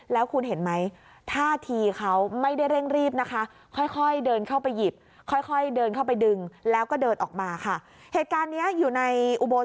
แล้วคุณเห็นไหมท่าทีเขาไม่ได้เร่งรีบ